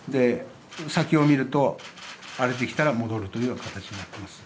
先を見ると、荒れてきたら戻るというような形になっています。